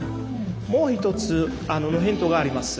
もう一つヒントがあります。